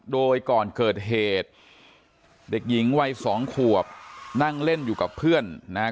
โดยก่อนเกิดเหตุเด็กหญิงวัยสองขวบนั่งเล่นอยู่กับเพื่อนนะฮะ